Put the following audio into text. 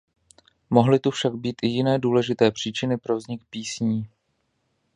Mohly tu však být i jiné důležité příčiny pro vznik písní.